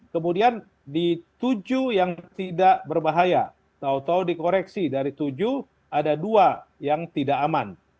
kemudian di tujuh yang tidak berbahaya tau tau dikoreksi dari tujuh ada dua yang tidak aman